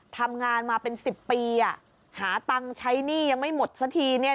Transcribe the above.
ทำงานมาเป็นสิบปีอ่ะหาตังค์ใช้หนี้ยังไม่หมดสักทีเนี่ย